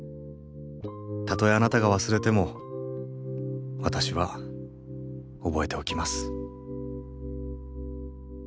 たとえあなたが忘れても私は覚えておきます。